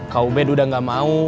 kau bed udah gak mau